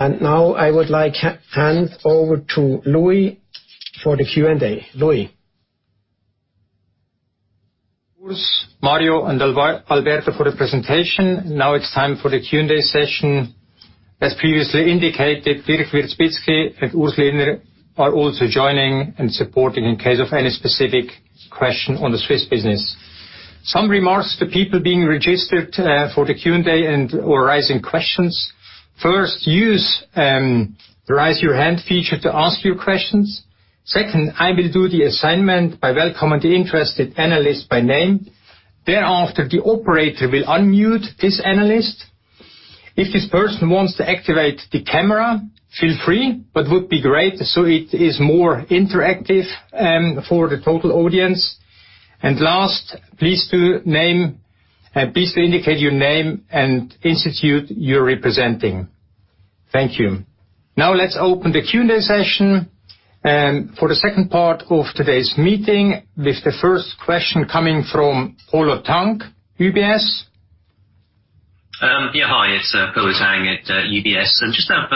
Now I would like hand over to Louis for the Q&A. Louis. Urs, Mario, and Alberto for the presentation. Now it's time for the Q&A session. As previously indicated, Dirk Wierzbitzki and Urs Lehner are also joining and supporting in case of any specific question on the Swiss business. Some remarks to people being registered for the Q&A and/or raising questions. First, use the raise your hand feature to ask your questions. Second, I will do the assignment by welcoming the interested analyst by name. Thereafter, the operator will unmute this analyst. If this person wants to activate the camera, feel free, but would be great, so it is more interactive for the total audience. Last, please do indicate your name and institute you're representing. Thank you. Now let's open the Q&A session for the second part of today's meeting with the first question coming from Polo Tang, UBS. Yeah. Hi, it's Polo Tang at UBS. Just have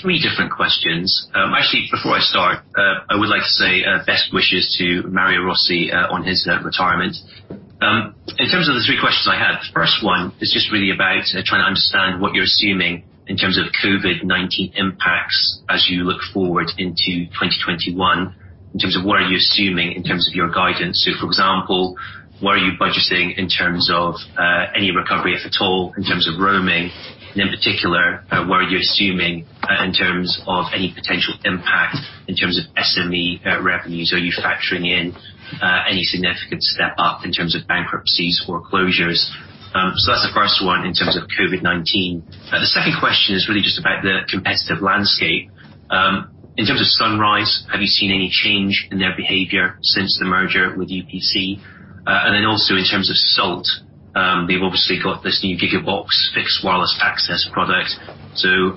three different questions. Actually, before I start, I would like to say best wishes to Mario Rossi, on his retirement. In terms of the three questions I had, the first one is just really about trying to understand what you're assuming in terms of COVID-19 impacts as you look forward into 2021, in terms of what are you assuming in terms of your guidance. For example, what are you budgeting in terms of any recovery, if at all, in terms of roaming? In particular, what are you assuming in terms of any potential impact in terms of SME revenues? Are you factoring in any significant step up in terms of bankruptcies or closures? That's the first one in terms of COVID-19. The second question is really just about the competitive landscape. In terms of Sunrise, have you seen any change in their behavior since the merger with UPC? In terms of Salt, they've obviously got this new Gigabox fixed wireless access product.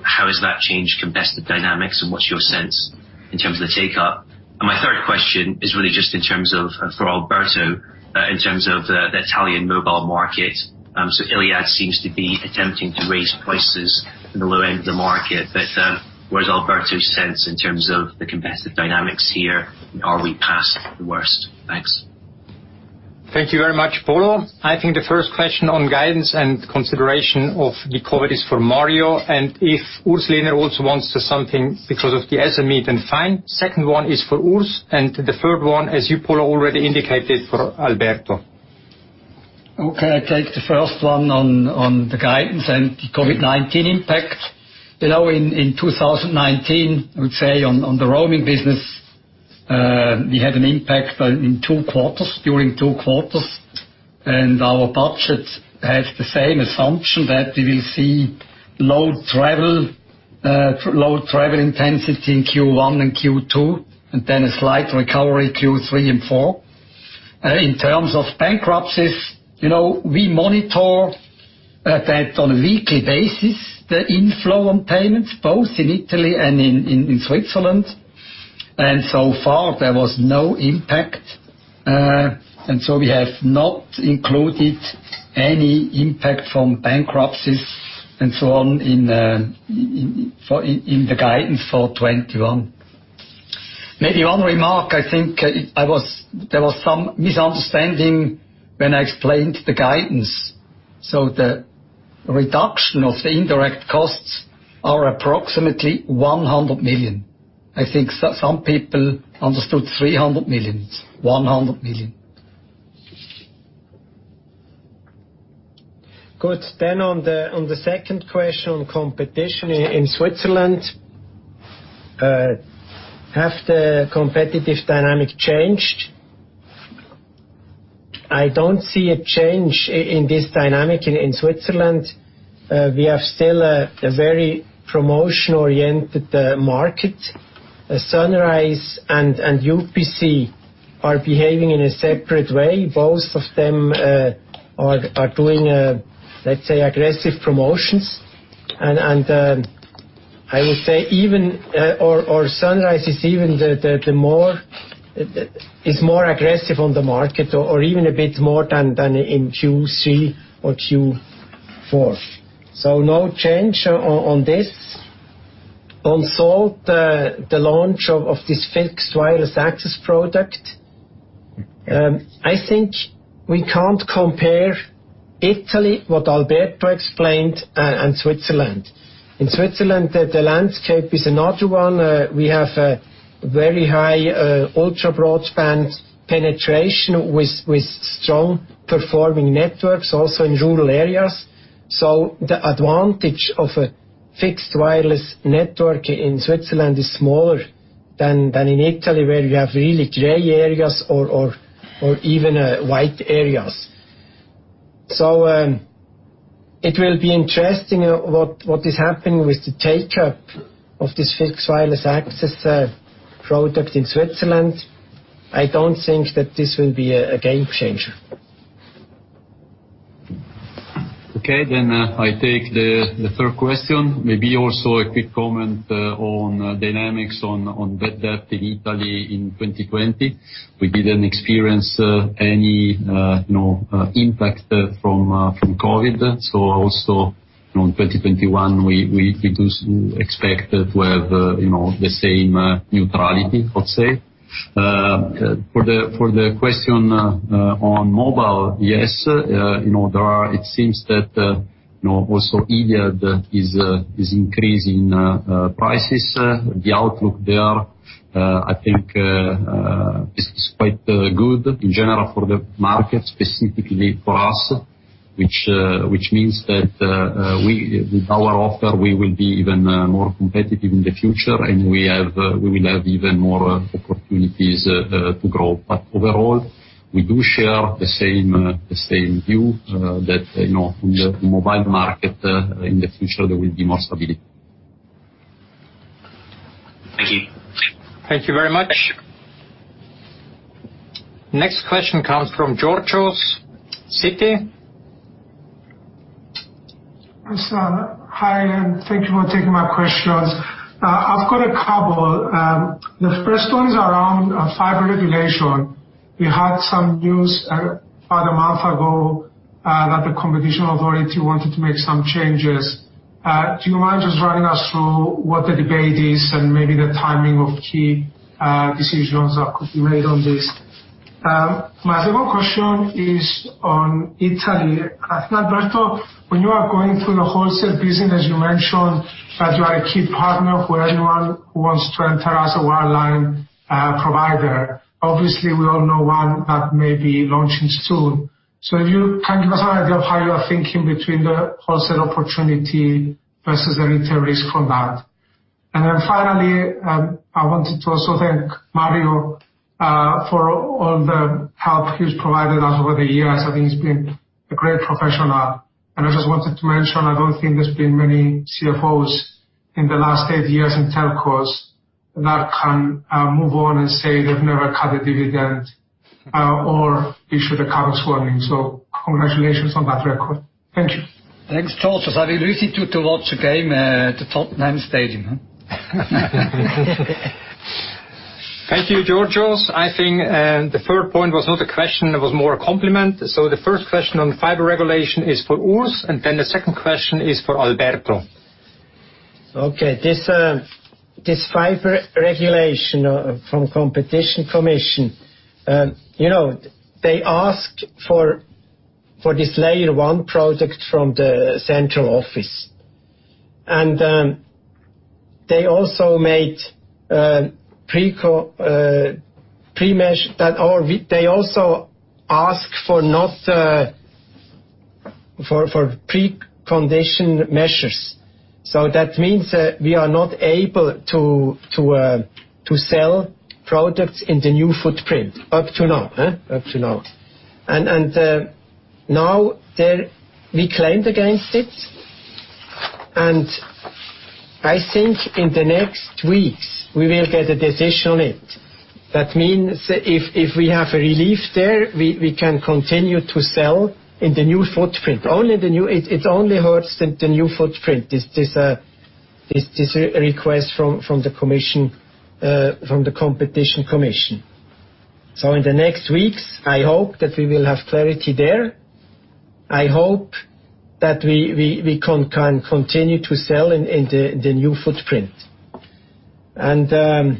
How has that changed competitive dynamics, and what's your sense in terms of the take-up? My third question is really just for Alberto, in terms of the Italian mobile market. Iliad seems to be attempting to raise prices in the low end of the market. Where's Alberto's sense in terms of the competitive dynamics here? Are we past the worst? Thanks. Thank you very much, Polo. I think the first question on guidance and consideration of the COVID is for Mario. If Urs Lehner also wants something because of the SME, then fine. Second one is for Urs, and the third one, as you, Polo, already indicated, for Alberto. Okay. I take the first one on the guidance and the COVID-19 impact. In 2019, I would say on the roaming business, we had an impact during two quarters, and our budget has the same assumption that we will see low travel intensity in Q1 and Q2, and then a slight recovery Q3 and Q4. In terms of bankruptcies, we monitor that on a weekly basis, the inflow on payments, both in Italy and in Switzerland. So far, there was no impact. So we have not included any impact from bankruptcies and so on in the guidance for 2021. Maybe one remark, I think there was some misunderstanding when I explained the guidance. The reduction of the indirect costs are approximately 100 million. I think some people understood 300 million. It's 100 million. Good. On the second question on competition in Switzerland, have the competitive dynamic changed? I don't see a change in this dynamic in Switzerland. We have still a very promotion-oriented market. Sunrise and UPC are behaving in a separate way. Both of them are doing, let's say, aggressive promotions. I would say Sunrise is more aggressive on the market or even a bit more than in Q3 or Q4. No change on this. On Salt, the launch of this fixed wireless access product, I think we can't compare Italy, what Alberto explained, and Switzerland. In Switzerland, the landscape is another one. We have a very high ultra-broadband penetration with strong performing networks, also in rural areas. The advantage of a fixed wireless network in Switzerland is smaller than in Italy, where we have really gray areas or even white areas. It will be interesting what is happening with the take-up of this fixed wireless access product in Switzerland. I don't think that this will be a game changer. I take the third question. Maybe also a quick comment on dynamics on debt in Italy in 2020. We didn't experience any impact from COVID-19. Also in 2021, we do expect that we have the same neutrality, let's say. For the question on mobile, yes. It seems that also Iliad is increasing prices. The outlook there, I think, is quite good in general for the market, specifically for us, which means that with our offer, we will be even more competitive in the future, and we will have even more opportunities to grow. Overall, we do share the same view that in the mobile market, in the future, there will be more stability. Thank you. Thank you very much. Next question comes from Georgios, Citi. Hi, thank you for taking my questions. I've got a couple. The first one is around fiber regulation. We had some news about a month ago that the Competition Commission wanted to make some changes. Do you mind just running us through what the debate is and maybe the timing of key decisions that could be made on this? My second question is on Italy. I think, Alberto, when you are going through the wholesale business, you mentioned that you are a key partner for anyone who wants to enter as a wireline provider. Obviously, we all know one that may be launching soon. If you can give us an idea of how you are thinking between the wholesale opportunity versus the risk from that. Finally, I wanted to also thank Mario for all the help he's provided us over the years. I think he's been a great professional. I just wanted to mention, I don't think there's been many CFOs in the last eight years in telcos that can move on and say they've never cut a dividend or issued a covers warning. Congratulations on that record. Thank you. Thanks, Georgios. I will listen to watch the game at the Tottenham stadium. Thank you, Georgios. I think the third point was not a question, it was more a compliment. The first question on fiber regulation is for Urs, the second question is for Alberto. Okay. This fiber regulation from Competition Commission. They asked for this Layer 1 project from the central office. They also ask for pre-condition measures. That means that we are not able to sell products in the new footprint up to now. Now, we claimed against it, and I think in the next weeks, we will get a decision on it. That means if we have a relief there, we can continue to sell in the new footprint. It only hurts the new footprint, this request from the Competition Commission. In the next weeks, I hope that we will have clarity there. I hope that we can continue to sell in the new footprint. Then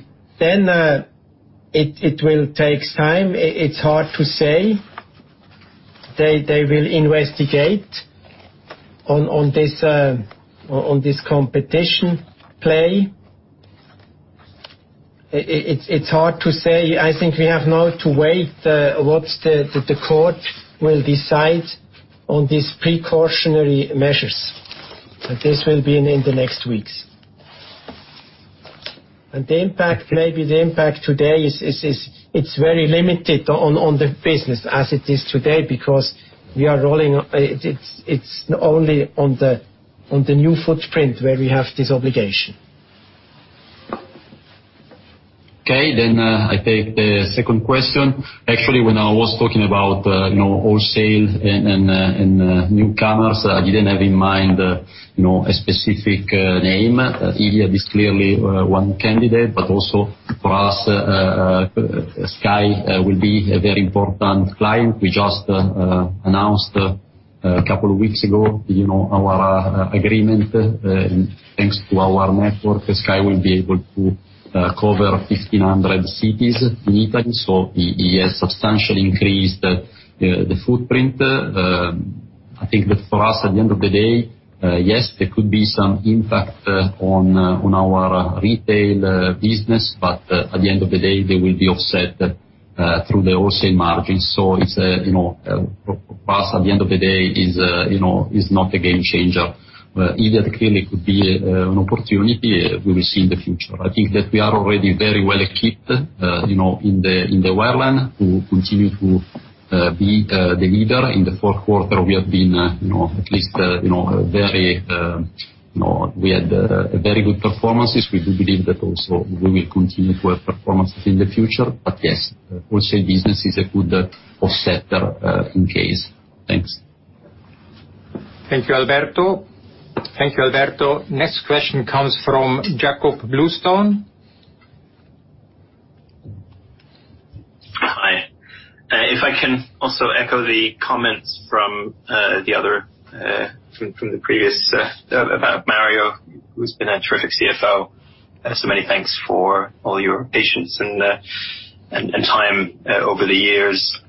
it will take time. It's hard to say. They will investigate on this competition play. It's hard to say. I think we have now to wait what the court will decide on these precautionary measures. This will be in the next weeks. Maybe the impact today, it's very limited on the business as it is today because it's only on the new footprint where we have this obligation. I take the second question. Actually, when I was talking about wholesale and newcomers, I didn't have in mind a specific name. Iliad is clearly one candidate, but also for us, Sky will be a very important client. We just announced a couple of weeks ago our agreement. Thanks to our network, Sky will be able to cover 1,500 cities in Italy. It has substantially increased the footprint. I think that for us, at the end of the day, yes, there could be some impact on our retail business, but at the end of the day, they will be offset through the wholesale margins. For us, at the end of the day, it's not a game changer. Iliad clearly could be an opportunity. We will see in the future. I think that we are already very well equipped in the wireline to continue to be the leader. In the fourth quarter, we had very good performances. We do believe that also we will continue to have performances in the future. Yes, wholesale business is a good offset in case. Thanks. Thank you, Alberto. Next question comes from Jakob Bluestone. If I can also echo the comments from the previous about Mario, who's been a terrific CFO. Many thanks for all your patience and time over the years.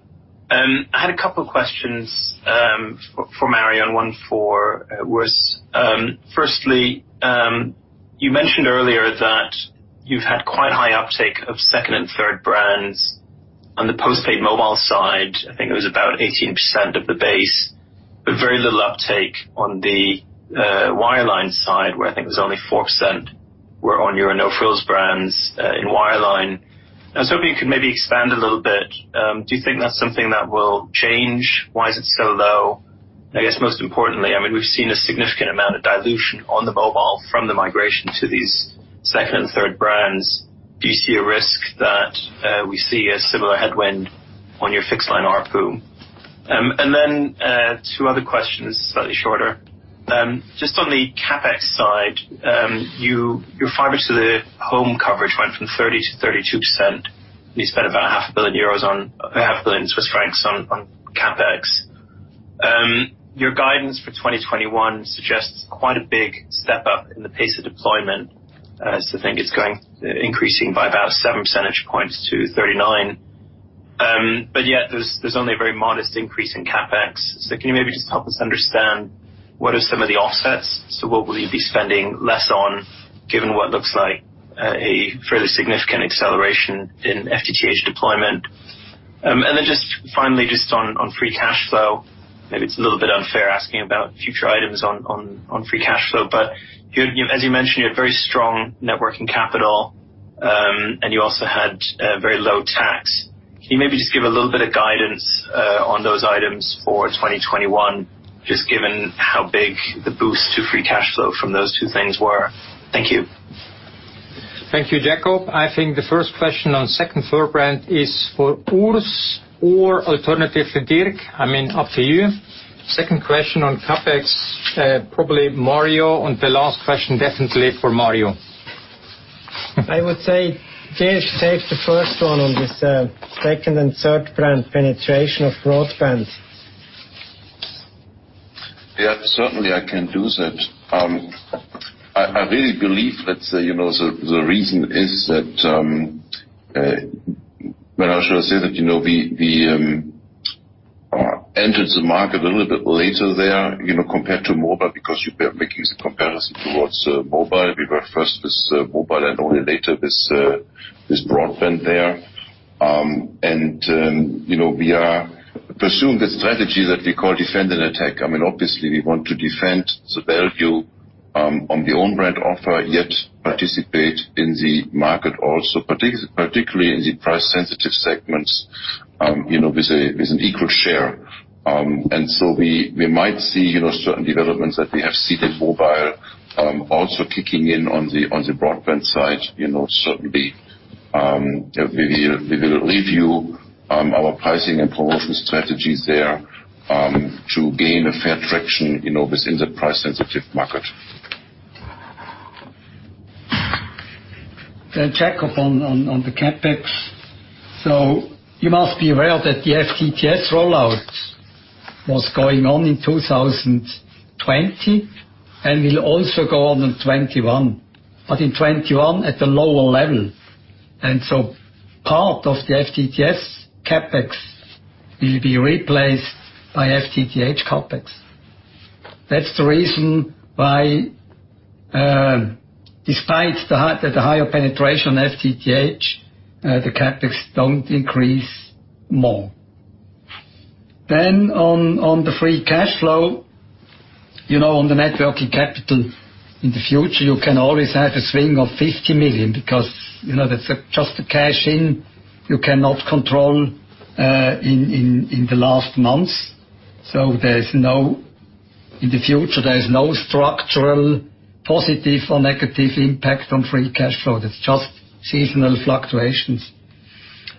I had a couple questions for Mario. One was, firstly, you mentioned earlier that you've had quite high uptake of second and third brands on the post-paid mobile side. I think it was about 18% of the base, but very little uptake on the wireline side, where I think it was only 4% were on your no-frills brands in wireline. I was hoping you could maybe expand a little bit. Do you think that's something that will change? Why is it so low? I guess, most importantly, we've seen a significant amount of dilution on the mobile from the migration to these second and third brands. Do you see a risk that we see a similar headwind on your fixed line ARPU? Two other questions, slightly shorter. Just on the CapEx side, your fiber to the home coverage went from 30% to 32%, and you spent about half a billion CHF on CapEx. Your guidance for 2021 suggests quite a big step up in the pace of deployment as I think it's increasing by about seven percentage points to 39%. Yet there's only a very modest increase in CapEx. Can you maybe just help us understand what are some of the offsets? What will you be spending less on, given what looks like a fairly significant acceleration in FTTH deployment? Just finally, just on free cash flow. Maybe it's a little bit unfair asking about future items on free cash flow. As you mentioned, you had very strong net working capital, and you also had very low tax. Can you maybe just give a little bit of guidance on those items for 2021, just given how big the boost to free cash flow from those two things were? Thank you. Thank you, Jakob. I think the first question on 1B2B is for Urs or alternatively Dirk. Up to you. Second question on CapEx, probably Mario, and the last question definitely for Mario. I would say, Dirk, take the first one on this second and third brand penetration of broadband. Yeah, certainly I can do that. I really believe that the reason is that, well, how should I say that? We entered the market a little bit later there compared to mobile, because you were making the comparison towards mobile. We were first with mobile and only later with broadband there. We are pursuing the strategy that we call defend and attack. Obviously, we want to defend the value on the own brand offer, yet participate in the market also, particularly in the price sensitive segments with an equal share. We might see certain developments that we have seen in mobile also kicking in on the broadband side. Certainly. We will review our pricing and promotion strategies there to gain a fair traction within the price sensitive market. Jakob on the CapEx. You must be aware that the FTTS rollout was going on in 2020 and will also go on in 2021. In 2021 at a lower level. Part of the FTTS CapEx will be replaced by FTTH CapEx. That's the reason why despite the higher penetration FTTH, the CapEx don't increase more. On the free cash flow, on the networking capital in the future, you can always have a swing of 50 million because that's just the cash in you cannot control in the last months. In the future, there is no structural positive or negative impact on free cash flow. That's just seasonal fluctuations.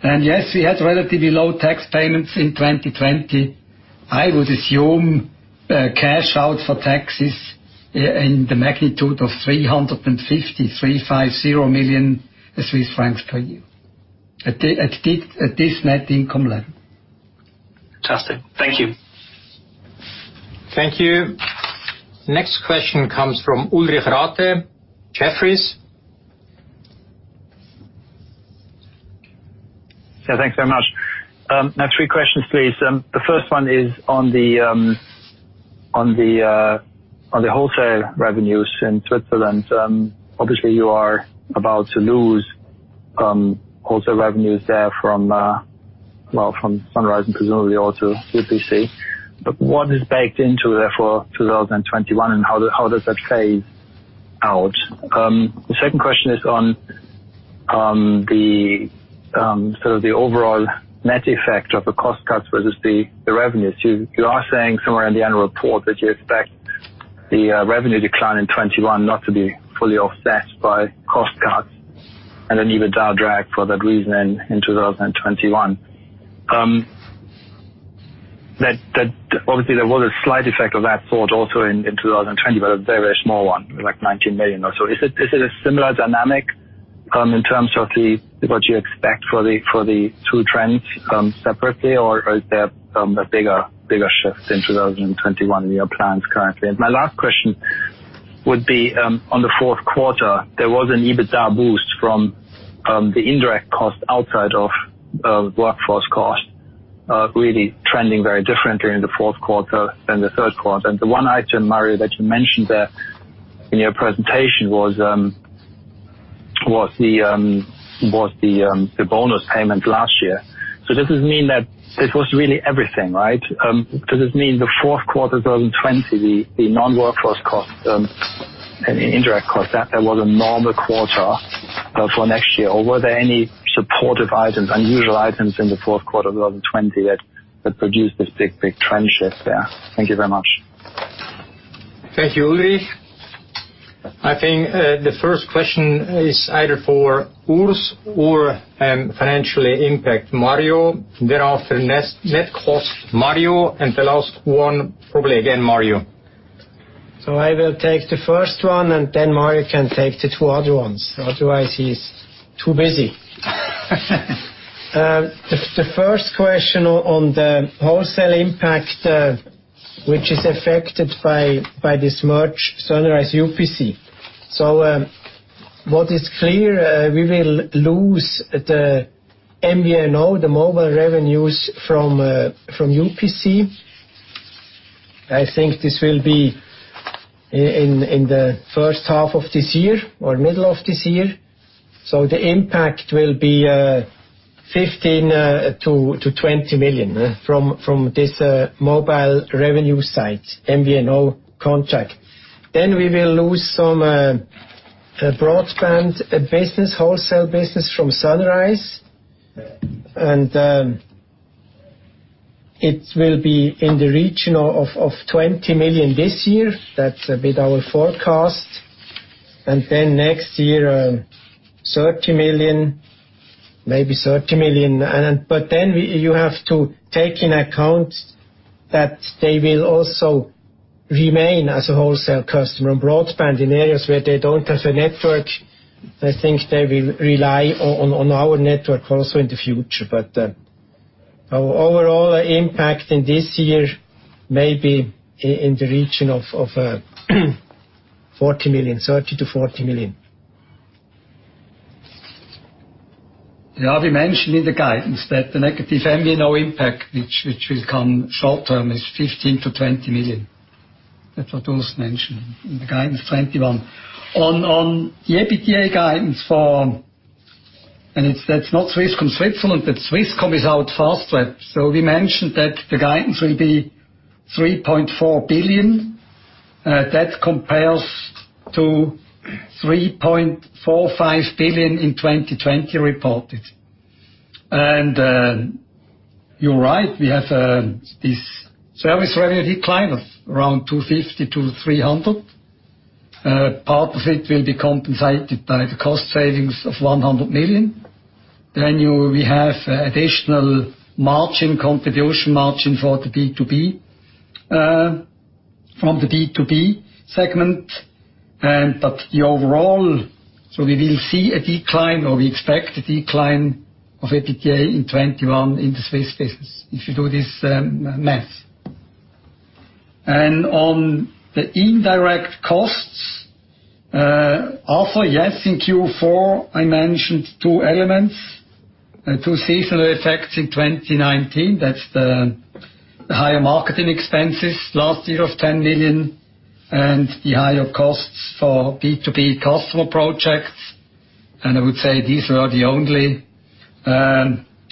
Yes, we had relatively low tax payments in 2020. I would assume cash out for taxes in the magnitude of 350 million Swiss francs per year at this net income level. Fantastic. Thank you. Thank you. Next question comes from Ulrich Rathe, Jefferies. Yeah. Thanks very much. I have three questions, please. The first one is on the wholesale revenues in Switzerland. Obviously, you are about to lose wholesale revenues there from Sunrise and presumably also UPC. What is baked into there for 2021, and how does that phase out? The second question is on the sort of the overall net effect of the cost cuts versus the revenues. You are saying somewhere in the annual report that you expect the revenue decline in 2021 not to be fully offset by cost cuts and an EBITDA drag for that reason in 2021. That obviously there was a slight effect of that sort also in 2020, but a very small one, like 19 million or so. Is it a similar dynamic in terms of what you expect for the two trends separately, or is there a bigger shift in 2021 in your plans currently? My last question would be on the fourth quarter. There was an EBITDA boost from the indirect cost outside of workforce cost really trending very differently in the fourth quarter than the third quarter. The one item, Mario, that you mentioned there in your presentation was the bonus payment last year. Does this mean that this was really everything, right? Does this mean the fourth quarter 2020, the non-workforce cost and the indirect cost, that there was a normal quarter for next year? Were there any supportive items, unusual items in the fourth quarter 2020 that produced this big trend shift there? Thank you very much. Thank you, Ulrich. I think the first question is either for Urs or financially impact Mario. Thereafter, net cost, Mario, and the last one probably again, Mario. I will take the first one, and then Mario can take the two other ones. Otherwise, he's too busy. The first question on the wholesale impact, which is affected by this merge Sunrise UPC. What is clear, we will lose the MVNO, the mobile revenues from UPC. I think this will be in the first half of this year or middle of this year. The impact will be 15 million-20 million from this mobile revenue side, MVNO contract. We will lose some broadband business, wholesale business from Sunrise. It will be in the region of 20 million this year. That's a bit our forecast. Next year maybe CHF 30 million. You have to take into account that they will also remain as a wholesale customer on broadband in areas where they don't have a network. I think they will rely on our network also in the future. Our overall impact in this year may be in the region of CHF 30 million-CHF 40 million. We mentioned in the guidance that the negative MVNO impact, which will come short term, is 15 million-20 million. That's what Urs mentioned in the guidance 2021. On the EBITDA guidance for that's not Swisscom Switzerland, but Swisscom without Fastweb. We mentioned that the guidance will be 3.4 billion. That compares to 3.45 billion in 2020 reported. You're right; we have this service revenue decline of around 250 million-300 million. Part of it will be compensated by the cost savings of 100 million. We have additional margin contribution margin for the B2B segment. The overall, we will see a decline, or we expect a decline of EBITDA in 2021 in the Swiss business if you do this math. On the indirect costs, Ulrich, yes, in Q4, I mentioned two elements, two seasonal effects in 2019. That's the higher marketing expenses last year of 10 million and the higher costs for B2B customer projects. I would say these were the only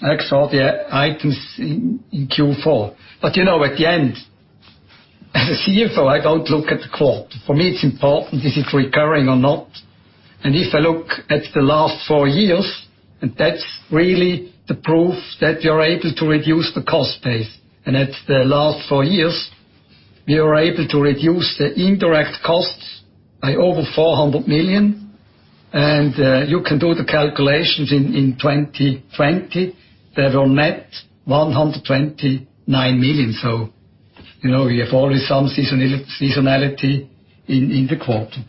extra items in Q4. At the end, as a CFO, I don't look at the quarter. For me, it's important, is it recurring or not? If I look at the last four years, that's really the proof that we are able to reduce the cost base. At the last four years, we were able to reduce the indirect costs by over 400 million. You can do the calculations in 2020. There were net 129 million. We have already some seasonality in the quarter.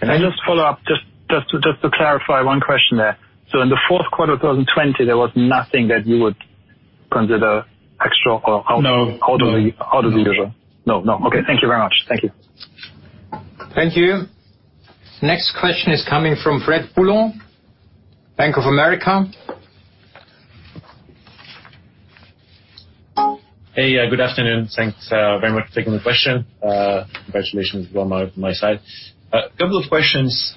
Just follow up, just to clarify one question there. In the fourth quarter 2020, there was nothing that you would consider extra? No. Out of the usual. No. Okay. Thank you very much. Thank you. Thank you. Next question is coming from Fred Boulan, Bank of America. Hey, good afternoon. Thanks very much for taking the question. Congratulations as well from my side. A couple of questions,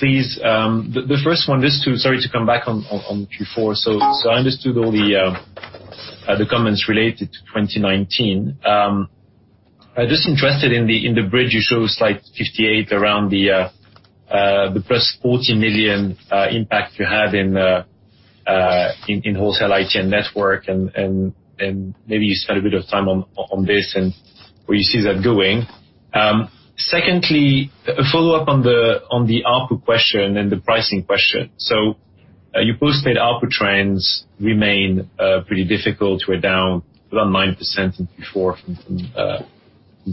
please. The first one, to come back on Q4. I understood all the comments related to 2019. Interested in the bridge you show, slide 58, around the +40 million impact you have in wholesale IT and network, and maybe you spend a bit of time on this and where you see that going. Secondly, a follow-up on the ARPU question and the pricing question. Your postpaid ARPU trends remain pretty difficult. We're down around 9% in Q4 from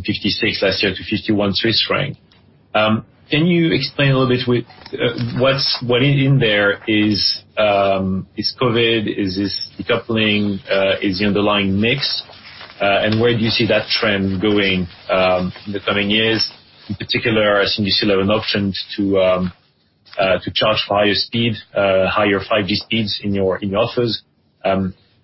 56 CHF last year to 51 Swiss franc. Can you explain a little bit what in there is COVID-19? Is this decoupling? Is the underlying mix? Where do you see that trend going in the coming years? In particular, I assume you still have an option to charge for higher 5G speeds in your offers.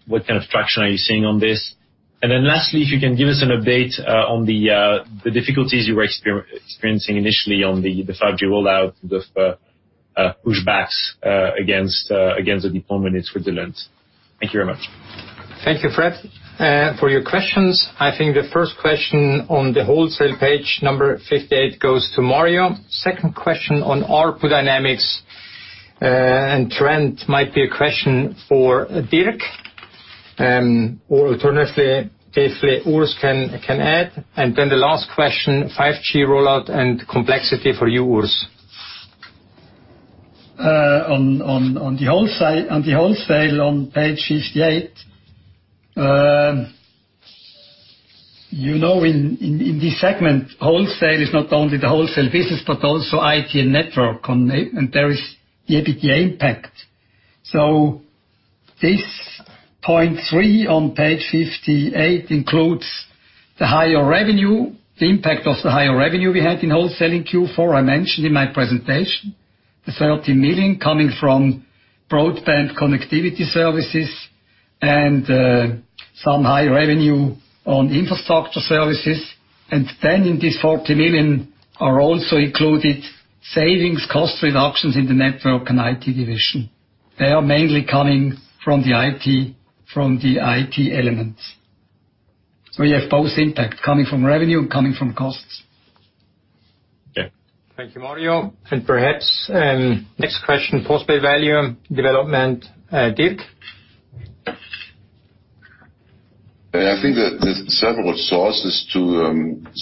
What kind of traction are you seeing on this? Lastly, if you can give us an update on the difficulties you were experiencing initially on the 5G rollout, the pushbacks against the deployment in Switzerland. Thank you very much. Thank you, Fred, for your questions. I think the first question on the wholesale page number 58 goes to Mario. Second question on ARPU dynamics and trend might be a question for Dirk, or alternatively, Urs can add. Then the last question, 5G rollout and complexity for you, Urs. On the wholesale on page 58. In this segment, wholesale is not only the wholesale business but also IT and network. There is the EBITDA impact. This point three on page 58 includes the impact of the higher revenue we had in wholesaling Q4. I mentioned in my presentation, the 30 million coming from broadband connectivity services and some high revenue on infrastructure services. In this 40 million are also included savings cost reductions in the network and IT division. They are mainly coming from the IT elements. We have both impact coming from revenue and coming from costs. Yeah. Thank you, Mario. Perhaps, next question, postpaid value development, Dirk. I think that there's several sources to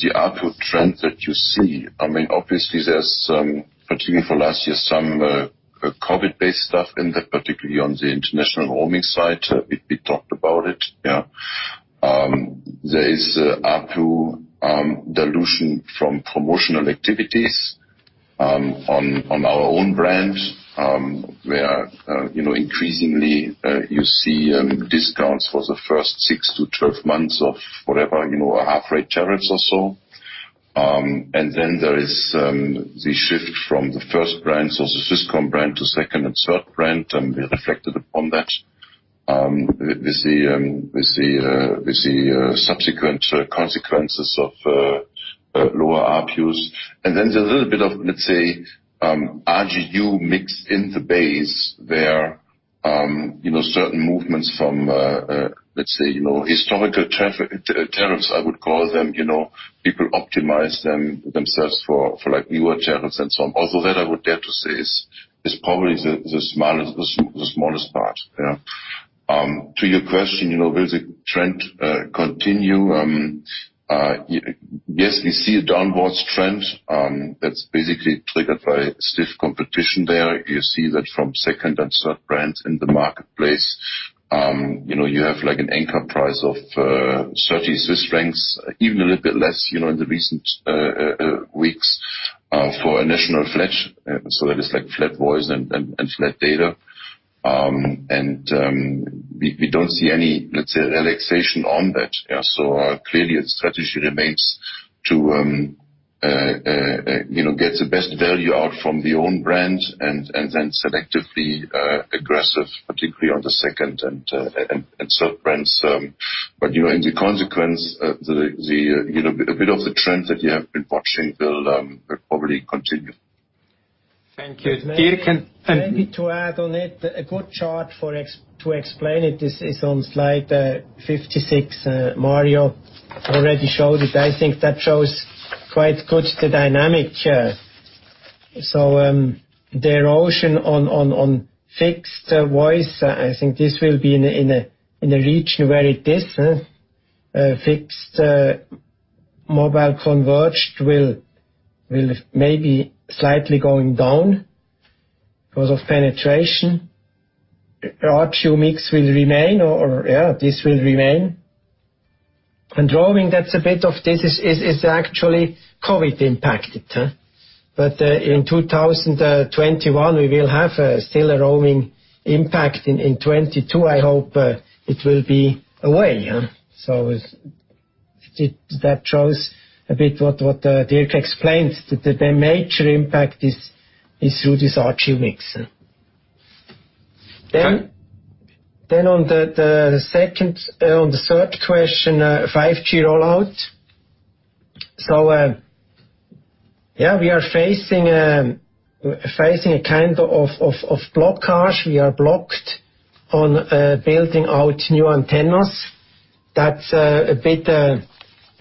the ARPU trend that you see. Obviously, there's, particularly for last year, some COVID-19-based stuff in that, particularly on the international roaming side. We talked about it. There is ARPU dilution from promotional activities on our own brand, where increasingly, you see discounts for the first six to 12 months of whatever, half-rate tariffs or so. There is the shift from the first brand, so the Swisscom brand to second and third brand, and we reflected upon that with the subsequent consequences of lower ARPUs. There's a little bit of, let's say, RGU mix in the base where certain movements from, let's say, historical tariffs, I would call them. People optimize themselves for newer tariffs and so on. Although that I would dare to say is probably the smallest part. To your question, will the trend continue? We see a downward trend that's basically triggered by stiff competition there. You see that from second and third brands in the marketplace. You have an anchor price of 30 Swiss francs, even a little bit less in the recent weeks for a national flat. That is flat voice and flat data. We don't see any, let's say, relaxation on that. Clearly, the strategy remains to get the best value out from the own brand and then selectively aggressive, particularly on the second and third brands. In the consequence, a bit of the trend that you have been watching will probably continue. Thank you. Maybe to add on it, a good chart to explain it is on slide 56. Mario already showed it. I think that shows quite good the dynamic. The erosion on fixed voice, I think this will be in a region where it is. Fixed mobile converged will maybe slightly going down because of penetration. RGU mix will remain this will remain. Roaming, that's a bit of this is actually COVID-19 impacted. In 2021, we will have still a roaming impact. In 2022, I hope it will be away. That shows a bit what Dirk explained. The major impact is through this RGU mix. Okay. On the third question, 5G rollout. We are facing a kind of blockage. We are blocked on building out new antennas. That's a bit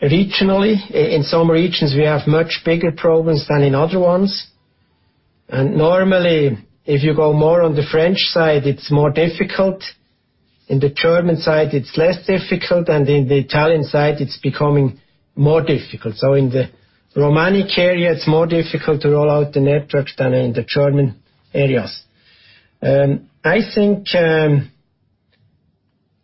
regionally. In some regions, we have much bigger problems than in other ones. Normally, if you go more on the French side, it's more difficult. In the German side, it's less difficult, and in the Italian side, it's becoming more difficult. In the Romandie area, it's more difficult to roll out the networks than in the German areas. I think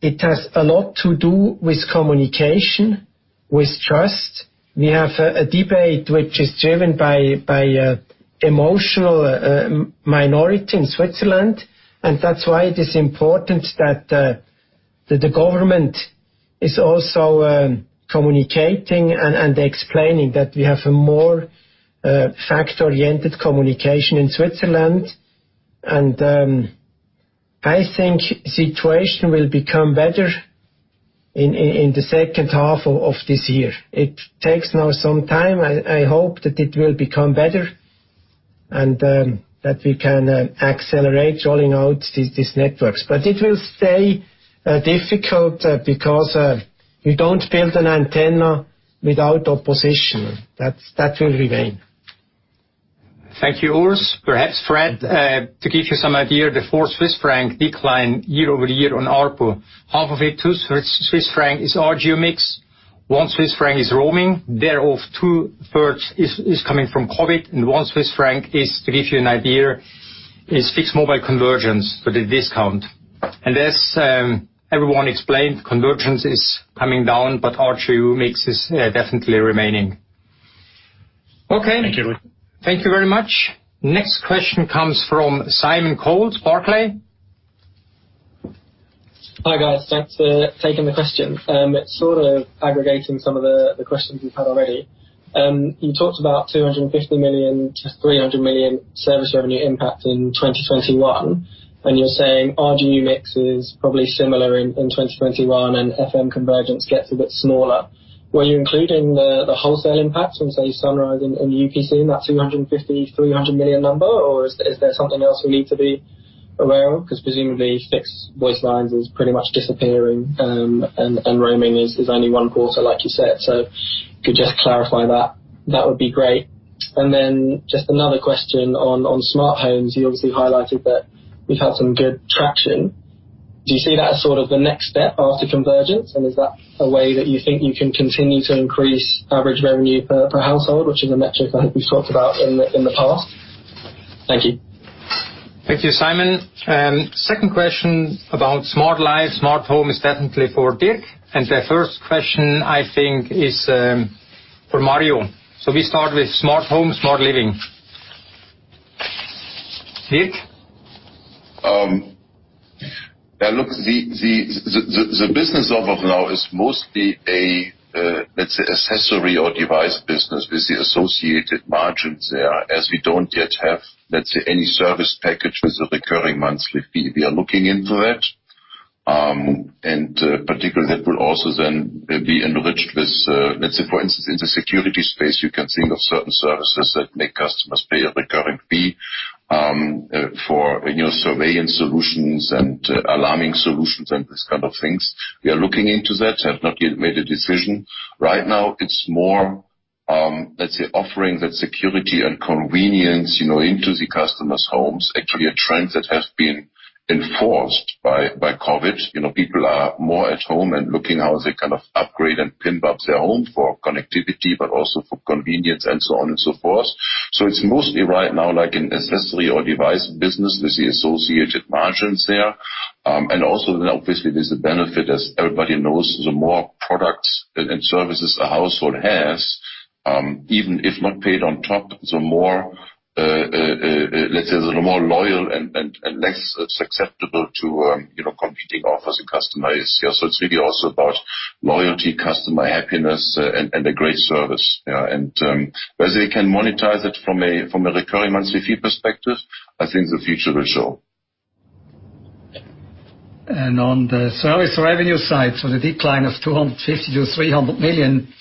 it has a lot to do with communication, with trust. We have a debate which is driven by emotional minority in Switzerland, and that's why it is important that the government is also communicating and explaining that we have a more fact-oriented communication in Switzerland. I think the situation will become better in the second half of this year. It takes now some time. I hope that it will become better and that we can accelerate rolling out these networks. It will stay difficult because we don't build an antenna without opposition. That will remain. Thank you, Urs. Perhaps Fred, to give you some idea, the 4 Swiss franc decline year-over-year on ARPU, half of it, 2 Swiss franc is RGU mix, 1 Swiss franc is roaming, thereof 2/3 is coming from COVID, and 1 Swiss franc is, to give you an idea, is fixed mobile convergence for the discount. As everyone explained, convergence is coming down, but RGU mix is definitely remaining. Okay. Thank you. Thank you very much. Next question comes from Simon Coles, Barclays. Hi, guys. Thanks for taking the question. It's sort of aggregating some of the questions we've had already. You talked about 250 million-300 million service revenue impact in 2021, and you're saying RGU mix is probably similar in 2021 and FM convergence gets a bit smaller. Were you including the wholesale impact from, say, Sunrise and UPC in that 250 million-300 million number, or is there something else we need to be aware of? Because presumably fixed voice lines is pretty much disappearing, and roaming is only one quarter, like you said. If you could just clarify that would be great. Just another question on smart homes. You obviously highlighted that you've had some good traction. Do you see that as sort of the next step after convergence, and is that a way that you think you can continue to increase average revenue per household, which is a metric I think we've talked about in the past? Thank you. Thank you, Simon. Second question about smart life, smart home is definitely for Dirk, and the first question, I think, is for Mario. We start with smart home, smart living. Dirk? Look, the business of now is mostly a, let's say, accessory or device business with the associated margins there, as we don't yet have, let's say, any service package with a recurring monthly fee. We are looking into that. Particularly, that will also then be enriched with, let's say, for instance, in the security space, you can think of certain services that make customers pay a recurring fee for surveillance solutions and alarming solutions and this kind of things. We are looking into that, have not yet made a decision. Right now it's more, let's say, offering that security and convenience into the customers' homes, actually a trend that has been enforced by COVID. People are more at home and looking how they can upgrade and pimp up their home for connectivity, but also for convenience and so on and so forth. It's mostly right now like an accessory or device business with the associated margins there. Also, obviously, there's a benefit, as everybody knows, the more products and services a household has, even if not paid on top, the more loyal and less susceptible to competing offers a customer is. It's really also about loyalty, customer happiness, and a great service. Whether you can monetize it from a recurring monthly fee perspective, I think the future will show. On the service revenue side, the decline of 250 million-300 million,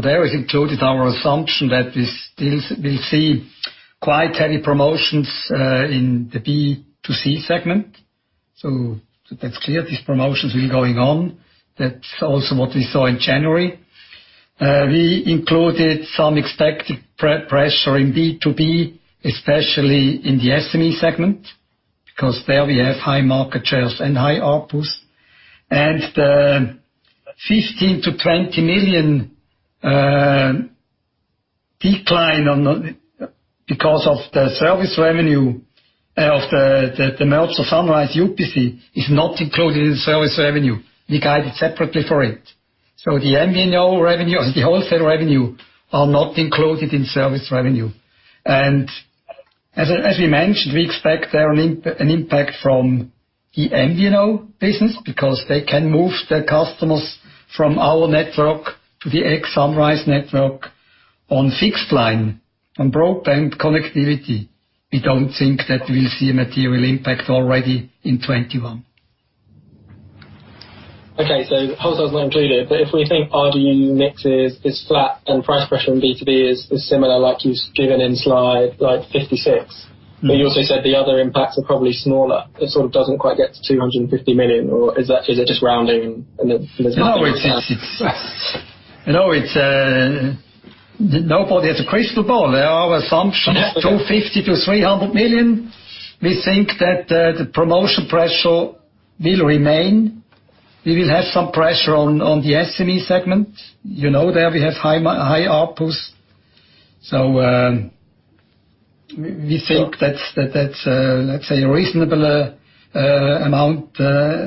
there is included our assumption that we still will see quite heavy promotions in the B2C segment. That's clear. These promotions will be going on. That's also what we saw in January. We included some expected pressure in B2B, especially in the SME segment, because there we have high market shares and high ARPUs. The 15 million-20 million decline because of the service revenue of the merge of Sunrise UPC is not included in service revenue. We guide it separately for it. The MVNO revenue and the wholesale revenue are not included in service revenue. As we mentioned, we expect there an impact from the MVNO business because they can move their customers from our network to the ex Sunrise network on fixed line, on broadband connectivity. We don't think that we'll see a material impact already in 2021. Wholesale is not included. If we think RGU mix is flat and price pressure in B2B is similar, like you've given in slide 56, but you also said the other impacts are probably smaller. It sort of doesn't quite get to 250 million, or is it just rounding and there's nothing? Nobody has a crystal ball. They are all assumptions. 250 million to 300 million. We think that the promotion pressure will remain. We will have some pressure on the SME segment. You know there we have high outputs. We think that's, let's say, a reasonable amount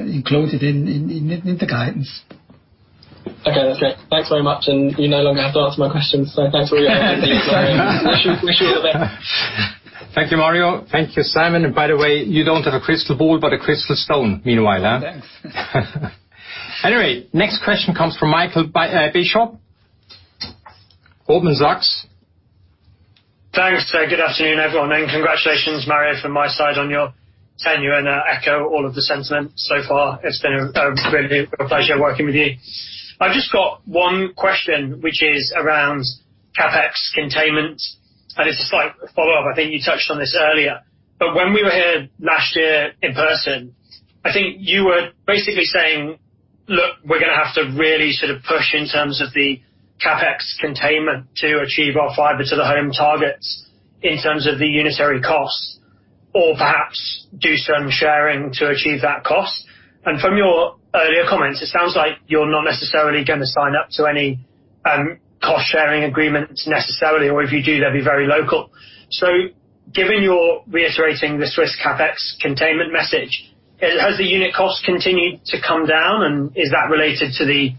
included in the guidance. Okay. That's it. Thanks very much. You no longer have to answer my questions. Thanks for your help. Wish you the best. Thank you, Mario. Thank you, Simon. By the way, you don't have a crystal ball but a crystal stone, meanwhile, huh? Thanks. Next question comes from Michael Bishop, Goldman Sachs. Thanks. Good afternoon, everyone, and congratulations, Mario, from my side on your tenure and I echo all of the sentiment so far. It's been a real pleasure working with you. I've just got one question, which is around CapEx containment, and it's a slight follow-up. I think you touched on this earlier. When we were here last year in person, I think you were basically saying, "Look, we're going to have to really push in terms of the CapEx containment to achieve our fiber to the home targets in terms of the unitary costs or perhaps do some sharing to achieve that cost." From your earlier comments, it sounds like you're not necessarily going to sign up to any cost-sharing agreements necessarily, or if you do, they'll be very local. Given your reiterating the Swiss CapEx containment message, has the unit cost continued to come down and is that related to the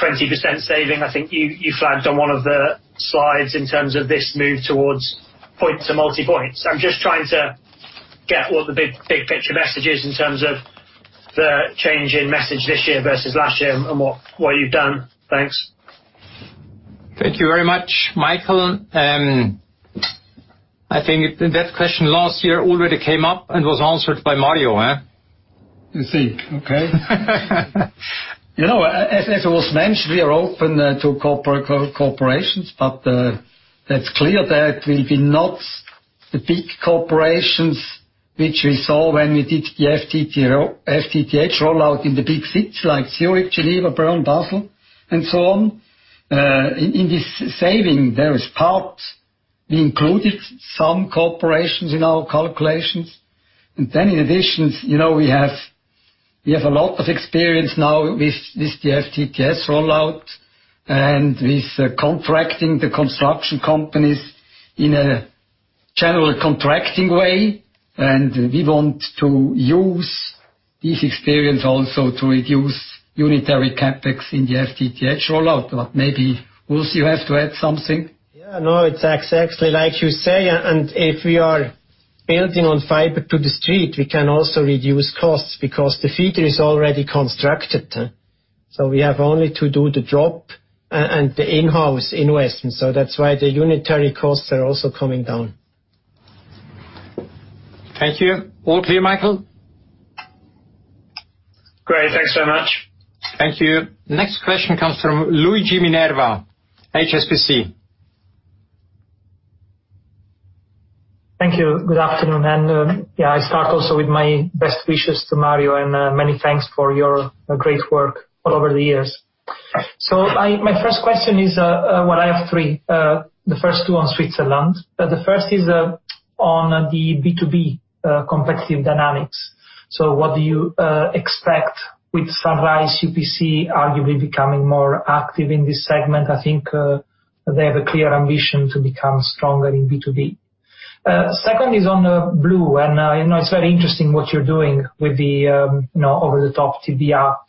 20% saving, I think you flagged on one of the slides in terms of this move towards point-to-multipoint? I'm just trying to get what the big picture message is in terms of the change in message this year versus last year and what you've done. Thanks. Thank you very much, Michael. I think that question last year already came up and was answered by Mario, huh? You see. Okay. As was mentioned, we are open to cooperations, but that's clear that will be not the big cooperations which we saw when we did the FTTH rollout in the big cities like Zurich, Geneva, Bern, Basel, and so on. In this saving, there is parts we included some cooperations in our calculations. In addition, we have a lot of experience now with the FTTS rollout and with contracting the construction companies in a general contracting way. We want to use this experience also to reduce unitary CapEx in the FTTH rollout. Maybe, Urs, you have to add something. Yeah, no, it's exactly like you say. If we are building on fiber to the street, we can also reduce costs because the feeder is already constructed. We have only to do the drop and the in-house investment. That's why the unitary costs are also coming down. Thank you. All clear, Michael? Great. Thanks so much. Thank you. Next question comes from Luigi Minerva, HSBC. Thank you. Good afternoon. I start also with my best wishes to Mario and many thanks for your great work all over the years. My first question is I have three. The first two on Switzerland. The first is on the B2B competitive dynamics. What do you expect with Sunrise UPC arguably becoming more active in this segment? I think they have a clear ambition to become stronger in B2B. Second is on blue, it's very interesting what you're doing with the over-the-top TV app.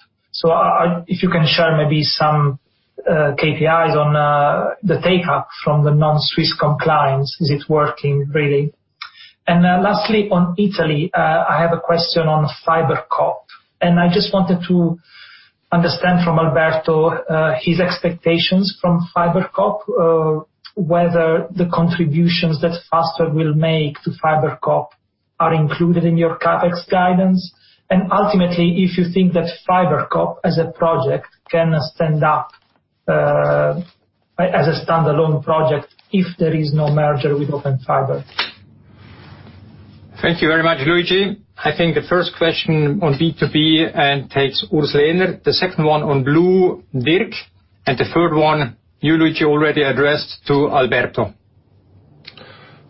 If you can share maybe some KPIs on the take-up from the non-Swisscom clients. Is it working, really? Lastly, on Italy, I have a question on FiberCop. I just wanted to understand from Alberto his expectations from FiberCop, whether the contributions that Fastweb will make to FiberCop are included in your CapEx guidance. Ultimately, if you think that FiberCop as a project can stand up as a standalone project if there is no merger with Open Fiber. Thank you very much, Luigi. I think the first question on B2B takes Urs Lehner. The second one on blue, Dirk. The third one, you, Luigi, already addressed to Alberto.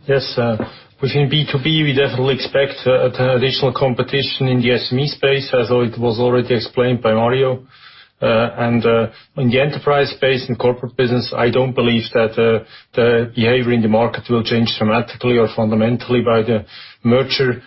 Within B2B, we definitely expect additional competition in the SME space, as it was already explained by Mario. In the enterprise space, in corporate business, I don't believe that the behavior in the market will change dramatically or fundamentally by the merger.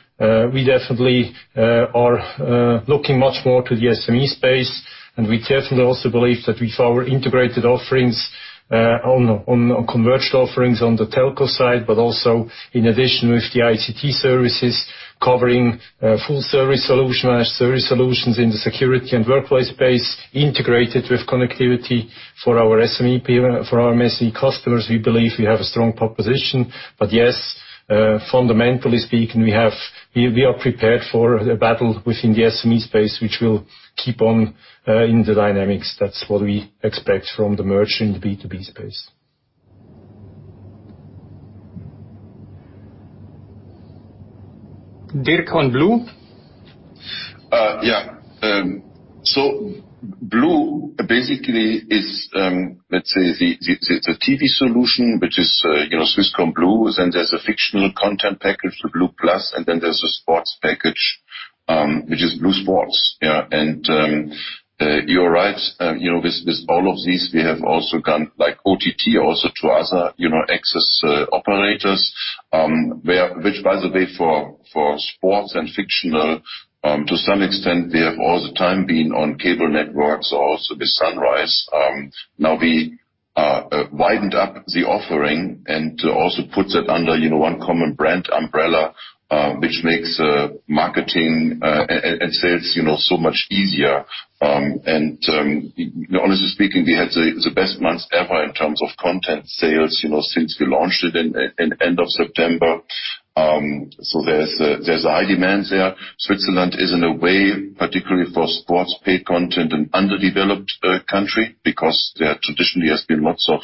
We definitely are looking much more to the SME space, and we definitely also believe that with our integrated offerings on converged offerings on the telco side, but also in addition with the ICT services covering full service solution, managed service solutions in the security and workplace space integrated with connectivity for our SME customers, we believe we have a strong proposition. Yes, fundamentally speaking, we are prepared for the battle within the SME space, which will keep on in the dynamics. That's what we expect from the merger in the B2B space. Dirk on blue? Yeah. Blue basically is, let's say, the TV solution, which is Swisscom blue. There's a fictional content package with blue+, and then there's a sports package, which is blue Sport. You're right, with all of these, we have also gone like OTT, also to other access operators, which by the way, for sports and fictional to some extent, they have all the time been on cable networks or also with Sunrise. Now we widened up the offering and to also put that under one common brand umbrella, which makes marketing and sales so much easier. Honestly speaking, we had the best months ever in terms of content sales since we launched it in end of September. There's a high demand there. Switzerland is in a way, particularly for sports paid content, an underdeveloped country because there traditionally has been lots of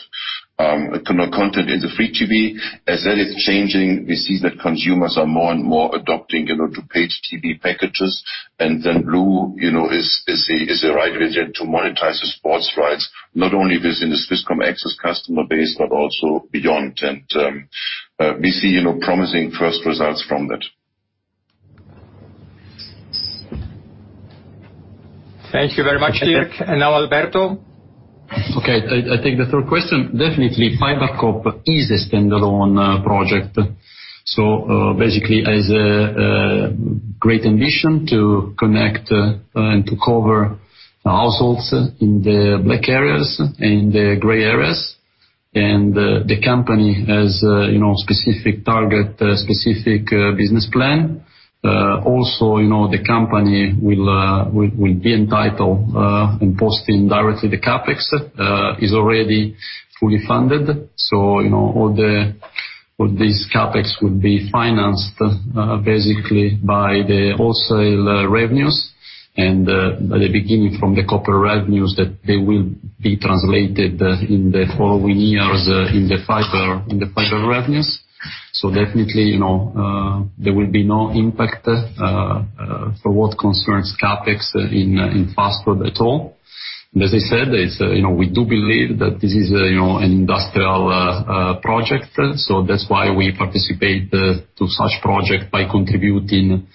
content in the free TV. As that is changing, we see that consumers are more and more adopting to paid TV packages. blue is the right widget to monetize the sports rights, not only within the Swisscom access customer base but also beyond. We see promising first results from that. Thank you very much, Dirk. Now Alberto. Okay. I take the third question. Definitely, FiberCop is a standalone project. Basically has a great ambition to connect and to cover households in the black areas and the gray areas. The company has specific target, specific business plan. Also, the company will be entitled and posting directly the CapEx, is already fully funded. All these CapEx would be financed basically by the wholesale revenues and by the beginning from the copper revenues that they will be translated in the following years in the fiber revenues. Definitely, there will be no impact for what concerns CapEx in Fastweb at all. As I said, we do believe that this is an industrial project. That's why we participate to such project by contributing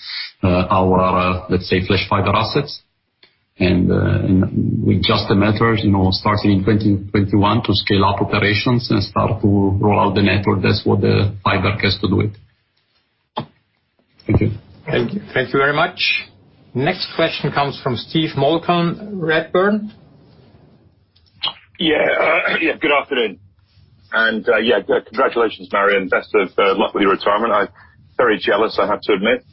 our, let's say, Flash Fiber assets. With just a matter, starting in 2021 to scale up operations and start to roll out the network. That's what the fiber has to do it. Thank you. Thank you very much. Next question comes from Steve Malcolm, Redburn. Yeah. Good afternoon. Yeah, congratulations, Mario, and best of luck with your retirement. I'm very jealous, I have to admit.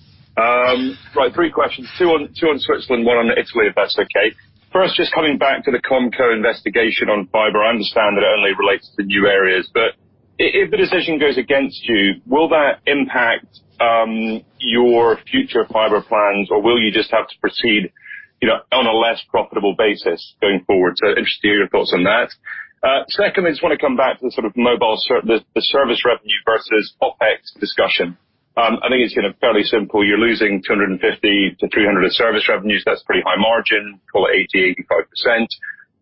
Right, three questions. Two on Switzerland, one on Italy, if that's okay. First, just coming back to the COMCO investigation on fiber. I understand it only relates to new areas, if the decision goes against you, will that impact your future fiber plans or will you just have to proceed on a less profitable basis going forward? Interested in your thoughts on that. Secondly, just want to come back to the sort of mobile, the service revenue versus OpEx discussion. I think it's fairly simple. You're losing 250-300 of service revenues. That's pretty high margin. Call it 80%-85%.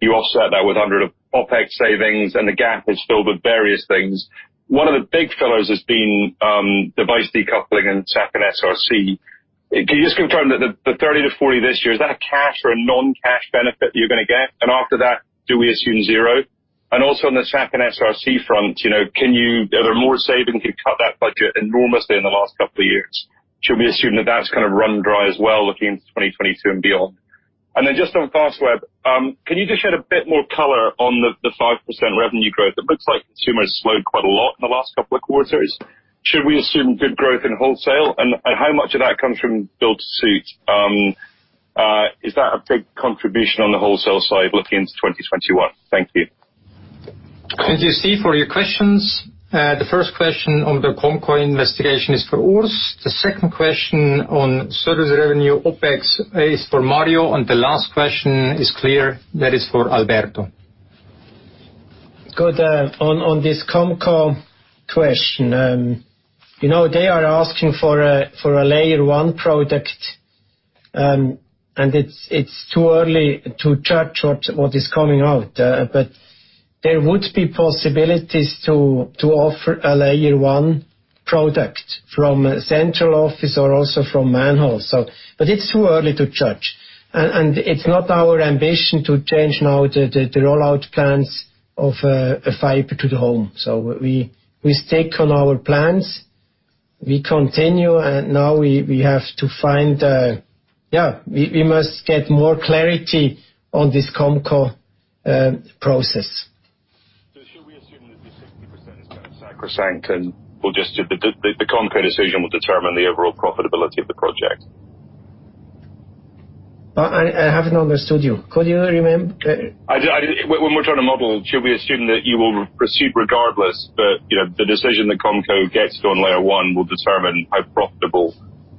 You offset that with 100 of OpEx savings, the gap is filled with various things. One of the big focus has been device decoupling and SAC and SRC. Can you just confirm that the 30-40 this year, is that a cash or a non-cash benefit you're going to get? After that, do we assume zero? Also on the SAC and SRC front, are there more savings? You've cut that budget enormously in the last couple of years. Should we assume that that's going to run dry as well looking into 2022 and beyond? Just on Fastweb, can you just shed a bit more color on the 5% revenue growth? It looks like consumers slowed quite a lot in the last couple of quarters. Should we assume good growth in wholesale? How much of that comes from build-to-suit? Is that a big contribution on the wholesale side looking into 2021? Thank you. Thank you, Steve, for your questions. The first question on the COMCO investigation is for Urs. The second question on service revenue OpEx is for Mario. The last question is clear, that is for Alberto. Good. On this COMCO question. They are asking for a Layer 1 product, and it's too early to judge what is coming out. There would be possibilities to offer a Layer 1 product from central office or also from manhole. It's too early to judge. It's not our ambition to change now the rollout plans of fiber to the home. We stake on our plans. We continue, and now we must get more clarity on this COMCO process. Should we assume that the 60% is kind of sacrosanct, and the COMCO decision will determine the overall profitability of the project? I haven't understood you. Could you remind? When we're trying to model, should we assume that you will proceed regardless, the decision that COMCO gets on Layer 1 will determine how profitable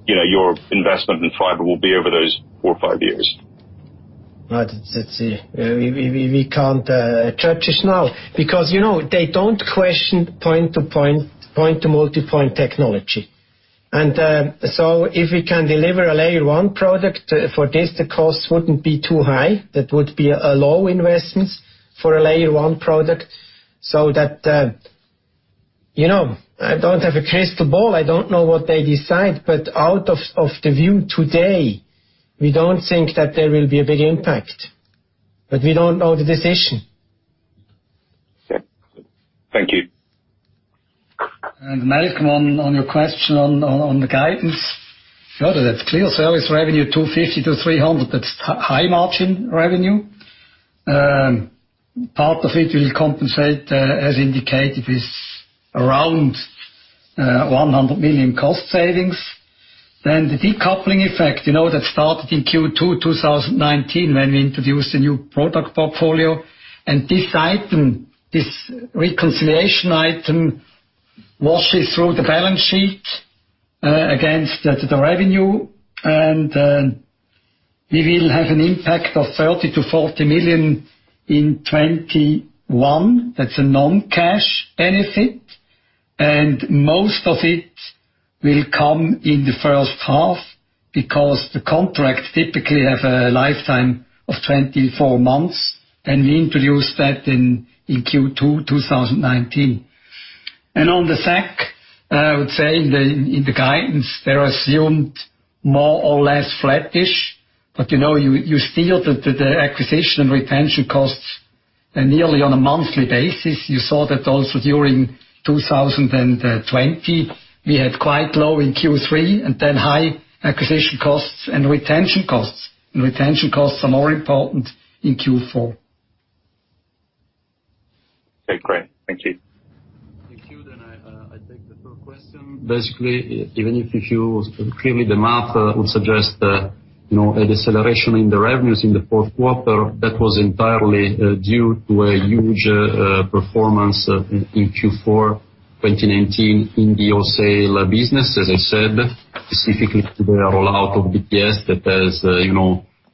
your investment in fiber will be over those four or five years? We can't judge this now. Because they don't question point-to-multipoint technology. If we can deliver a Layer 1 product for this, the cost wouldn't be too high. That would be a low investment for a Layer 1 product. I don't have a crystal ball, I don't know what they decide. Out of the view today, we don't think that there will be a big impact. We don't know the decision. Okay. Thank you. Mario, on your question on the guidance. Sure, that's clear. Service revenue 250 million-300 million, that's high margin revenue. Part of it will compensate, as indicated, with around 100 million cost savings. The decoupling effect that started in Q2 2019 when we introduced a new product portfolio. This item, this reconciliation item, washes through the balance sheet against the revenue. We will have an impact of 30 million-40 million in 2021. That's a non-cash benefit. Most of it will come in the first half because the contracts typically have a lifetime of 24 months. We introduced that in Q2 2019. On the SAC, I would say in the guidance, they're assumed more or less flattish. You see the acquisition and retention costs nearly on a monthly basis. You saw that also during 2020. We had quite low in Q3, then high acquisition costs and retention costs. Retention costs are more important in Q4. Okay, great. Thank you. Thank you. I take the third question. Even if you clearly the math would suggest a deceleration in the revenues in the fourth quarter, that was entirely due to a huge performance in Q4 2019 in the wholesale business, as I said, specifically to the rollout of BTS. That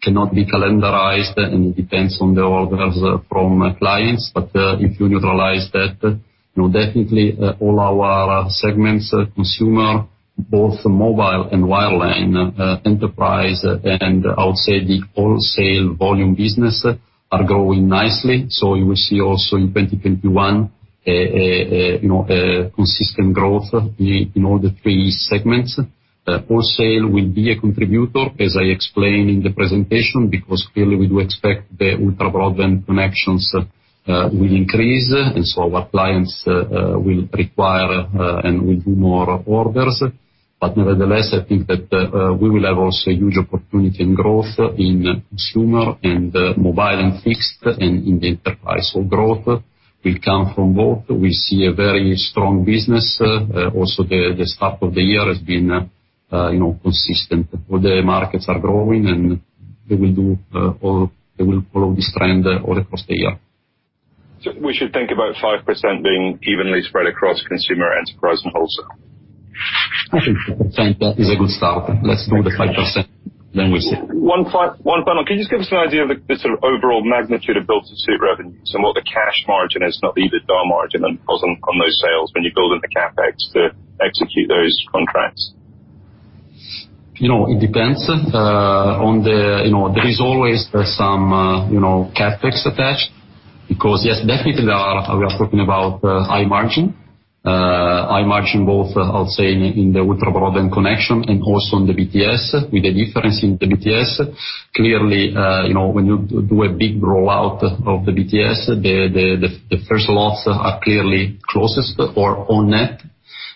cannot be calendarized and it depends on the orders from clients. If you neutralize that, definitely all our segments, consumer, both mobile and wireline, enterprise, and I would say the wholesale volume business are growing nicely. You will see also in 2021 a consistent growth in all the three segments. Wholesale will be a contributor, as I explained in the presentation, because clearly we do expect the ultra-broadband connections will increase. Our clients will require and will do more orders. Nevertheless, I think that we will have also a huge opportunity and growth in consumer and mobile and fixed and in the enterprise. Growth will come from both. We see a very strong business. The start of the year has been consistent. All the markets are growing and they will follow this trend all across the year. We should think about 5% being evenly spread across consumer, enterprise and wholesale? I think that is a good start. Let's do the 5%, then we'll see. One final. Can you just give us an idea of the sort of overall magnitude of build-to-suit revenues and what the cash margin is, not the EBITDA margin, on those sales when you're building the CapEx to execute those contracts? It depends. There is always some CapEx attached. Yes, definitely we are talking about high margin. High margin both, I'll say, in the ultra-broadband connection and also on the BTS. With a difference in the BTS. Clearly, when you do a big rollout of the BTS, the first lots are clearly closest or on net.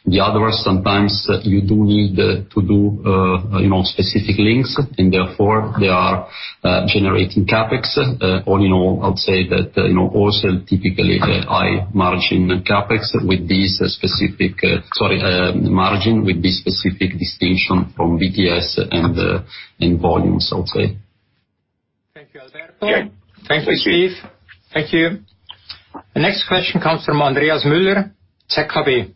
The others, sometimes you do need to do specific links and therefore they are generating CapEx. All in all, I'll say that also typically the high margin CapEx with this specific distinction from BTS and volumes, I'll say. Thank you, Alberto. Thank you, Steve. Thank you. The next question comes from Andreas Müller, ZKB.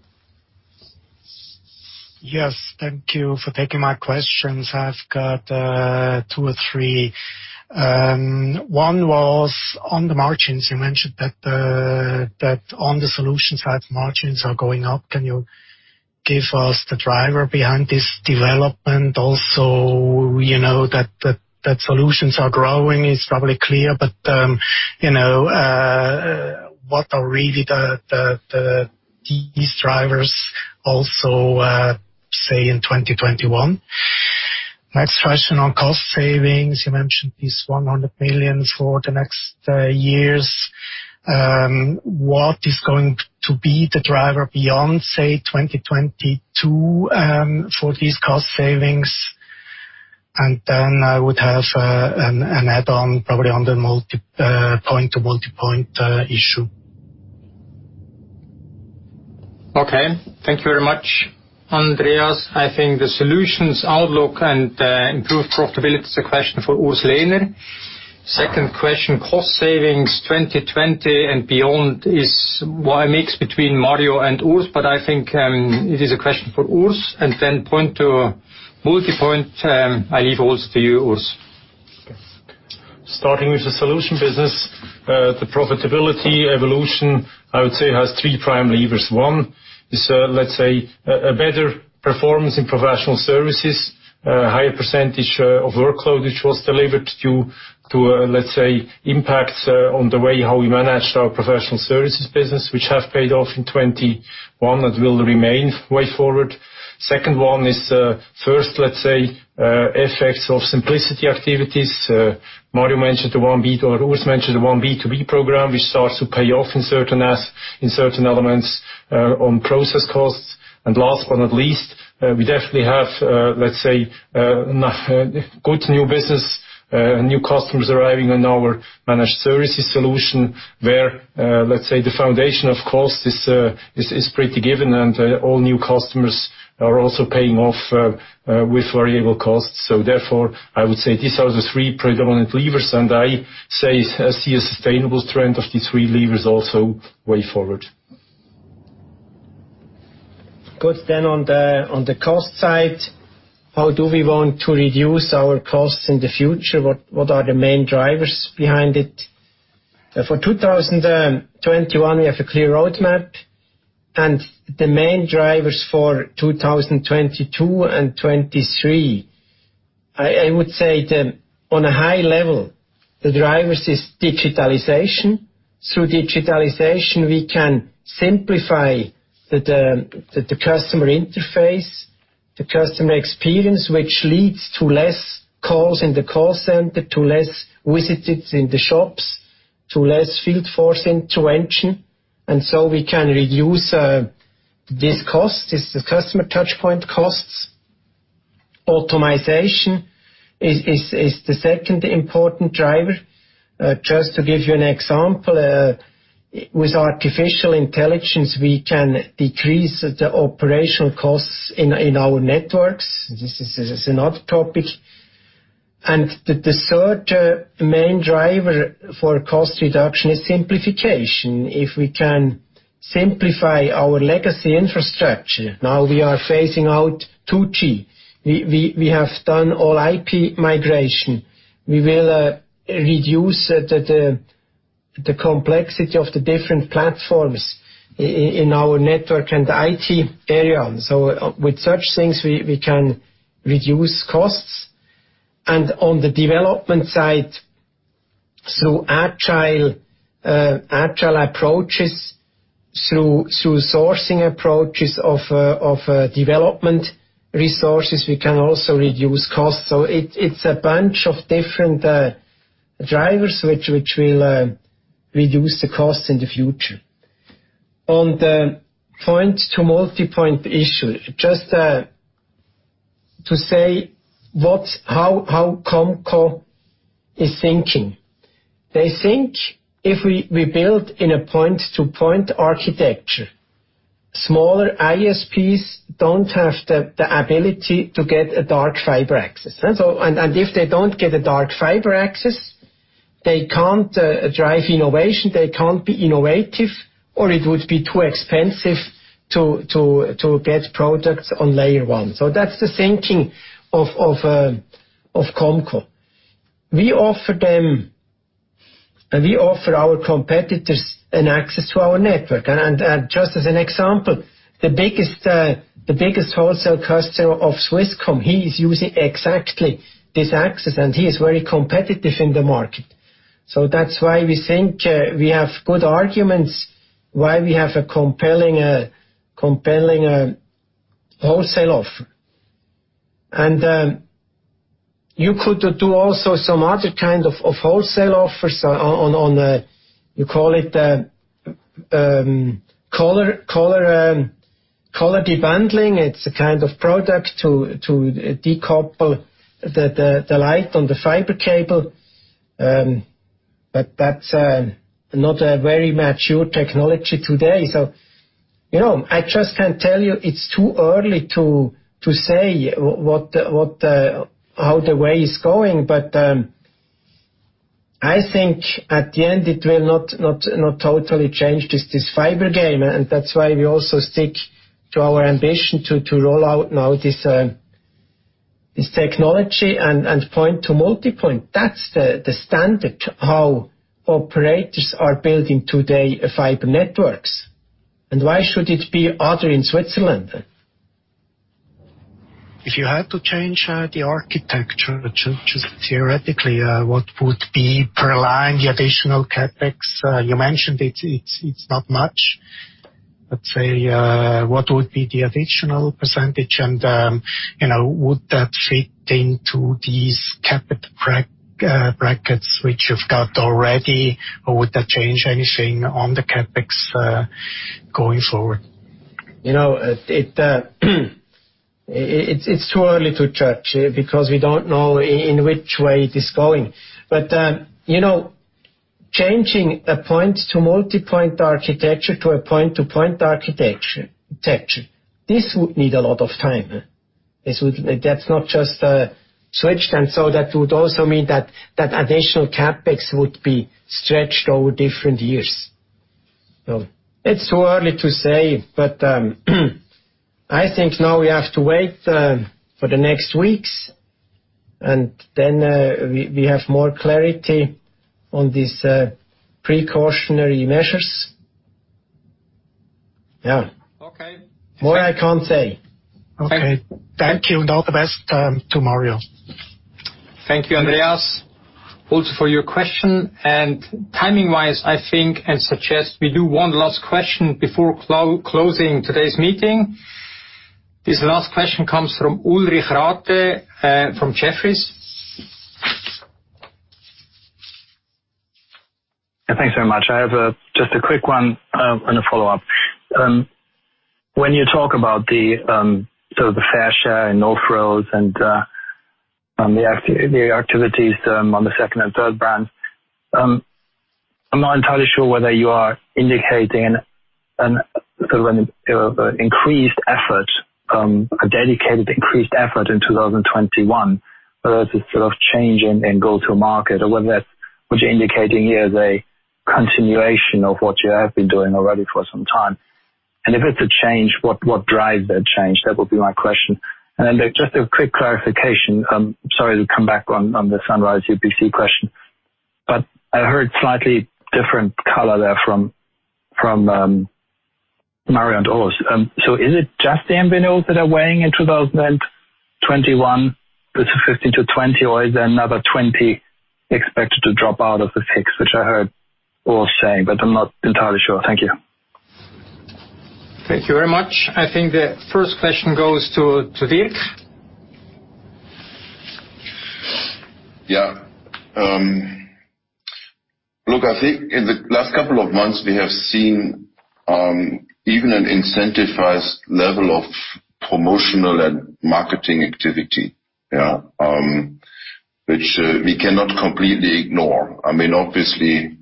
Yes. Thank you for taking my questions. I've got two or three. One was on the margins. You mentioned that on the solutions side, margins are going up. Can you give us the driver behind this development also? That solutions are growing is probably clear. What are really these drivers also, say, in 2021? Next question on cost savings. You mentioned this 100 million for the next years. What is going to be the driver beyond, say, 2022 for these cost savings? I would have an add-on probably on the point-to-multipoint issue. Okay. Thank you very much, Andreas. I think the solutions outlook and improved profitability is a question for Urs Lehner. Second question, cost savings 2020 and beyond is a mix between Mario and Urs, but I think it is a question for Urs. Then point-to-multipoint, I leave also to you, Urs. Starting with the solution business, the profitability evolution, I would say, has three prime levers. One is, let's say, a better performance in professional services, a higher percentage of workload which was delivered to, let's say, impacts on the way how we managed our professional services business, which have paid off in 2021 and will remain way forward. Second one is, first, let's say, effects of simplicity activities. Mario mentioned the 1 B2B or Urs mentioned the 1 B2B program, which starts to pay off in certain elements on process costs. Last but not least, we definitely have, let's say, good new business, new customers arriving on our managed services solution where, let's say, the foundation of cost is pretty given, and all new customers are also paying off with variable costs. Therefore, I would say these are the three predominant levers, and I say, I see a sustainable trend of these three levers also way forward. Good. On the cost side, how do we want to reduce our costs in the future? What are the main drivers behind it? For 2021, we have a clear roadmap. The main drivers for 2022 and 2023, I would say on a high level, the driver is digitalization. Through digitalization, we can simplify the customer interface, the customer experience, which leads to less calls in the call center, to less visitors in the shops, to less field force intervention. We can reduce this cost, these customer touchpoint costs. Automization is the second important driver. Just to give you an example, with artificial intelligence, we can decrease the operational costs in our networks. This is another topic. The third main driver for cost reduction is simplification. If we can simplify our legacy infrastructure. Now we are phasing out 2G. We have done all-IP migration. We will reduce the complexity of the different platforms in our network and IT area. With such things, we can reduce costs. On the development side, through agile approaches, through sourcing approaches of development resources, we can also reduce costs. It's a bunch of different drivers which will reduce the cost in the future. On the point-to-multipoint issue, just to say how COMCO is thinking. They think if we build in a point-to-point architecture, smaller ISPs don't have the ability to get a dark fiber access. If they don't get a dark fiber access, they can't drive innovation. They can't be innovative, or it would be too expensive to get products on Layer 1. That's the thinking of COMCO. We offer our competitors an access to our network. Just as an example, the biggest wholesale customer of Swisscom, he is using exactly this access, and he is very competitive in the market. That's why we think we have good arguments why we have a compelling wholesale offer. You could do also some other kind of wholesale offers on, you call it colour unbundling. It's a kind of product to decouple the light on the fiber cable. That's not a very mature technology today. I just can tell you, it's too early to say how the way is going. I think at the end, it will not totally change this fiber game. That's why we also stick to our ambition to roll out now this technology and point-to-multipoint. That's the standard how operators are building today fiber networks. Why should it be other in Switzerland? If you had to change the architecture, just theoretically, what would be per line the additional CapEx? You mentioned it is not much. Let us say, what would be the additional percentage, and would that fit into these capital brackets which you have got already, or would that change anything on the CapEx going forward? It's too early to judge because we don't know in which way it is going. Changing a point-to-multipoint architecture to a point-to-point architecture, this would need a lot of time. That's not just a switch. That would also mean that additional CapEx would be stretched over different years. It's too early to say, but I think now we have to wait for the next weeks, and then we have more clarity on these precautionary measures. Yeah. Okay. More I can't say. Okay. Thank you. All the best to Mario. Thank you, Andreas, also for your question. Timing-wise, I think and suggest we do one last question before closing today's meeting. This last question comes from Ulrich Rathe from Jefferies. Yeah, thanks very much. I have just a quick one and a follow-up. When you talk about the fair share in off-net and the activities on the second and third brands, I'm not entirely sure whether you are indicating an increased effort, a dedicated increased effort in 2021, or is this sort of change in go-to-market? What you're indicating here is a continuation of what you have been doing already for some time. If it's a change, what drives that change? That would be my question. Just a quick clarification. Sorry to come back on the Sunrise UPC question. I heard slightly different color there from Mario and Urs. Is it just the MVNOs that are weighing in 2021 with the 15-20, or is there another 20 expected to drop out of the fix, which I heard Urs say, but I am not entirely sure? Thank you. Thank you very much. I think the first question goes to Dirk. Look, I think in the last couple of months, we have seen even an incentivized level of promotional and marketing activity, which we cannot completely ignore. Obviously,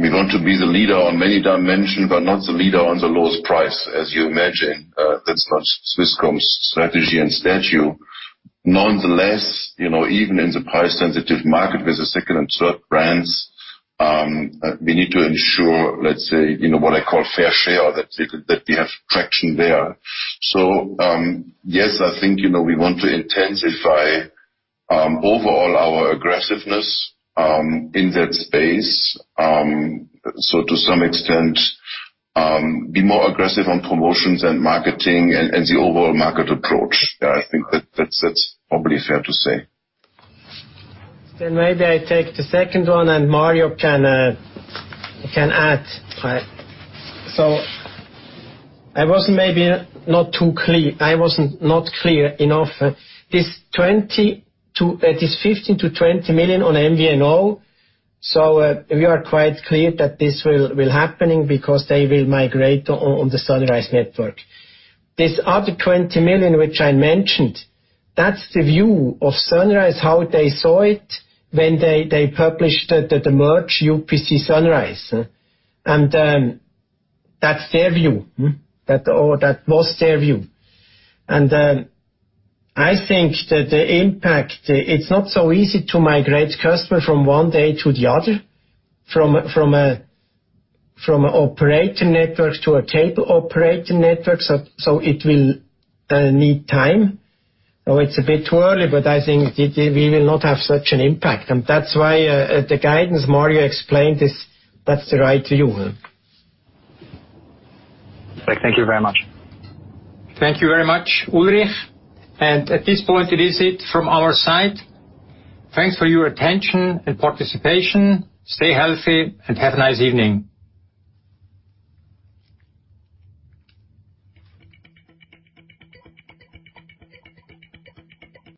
we want to be the leader on many dimensions, but not the leader on the lowest price, as you imagine. That's not Swisscom's strategy and stature. Nonetheless, even in the price-sensitive market with the second and third brands, we need to ensure, let's say, what I call fair share or that we have traction there. Yes, I think we want to intensify overall our aggressiveness in that space. To some extent, be more aggressive on promotions and marketing and the overall market approach. I think that's probably fair to say. Maybe I take the second one and Mario can add to that. I was maybe not clear enough. This 15 million-20 million on MVNO, we are quite clear that this will happening because they will migrate on the Sunrise network. This other 20 million which I mentioned, that's the view of Sunrise, how they saw it when they published the merge UPC Sunrise. That's their view. That was their view. I think that the impact, it's not so easy to migrate customer from one day to the other, from a operator network to a cable operator network. It will need time. It's a bit too early, but I think we will not have such an impact. That's why the guidance Mario explained is that's the right view. Thank you very much. Thank you very much, Ulrich. At this point, it is it from our side. Thanks for your attention and participation. Stay healthy and have a nice evening.